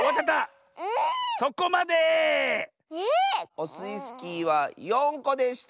オスイスキーは４こでした。